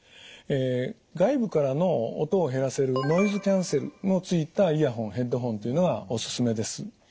外部からの音を減らせるノイズキャンセルのついたイヤホンヘッドホンというのがおすすめです。